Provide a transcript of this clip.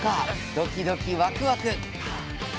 ドキドキワクワク！